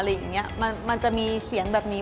อะไรอย่างนี้มันจะมีเสียงแบบนี้